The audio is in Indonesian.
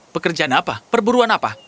pekerjaan apa perburuan apa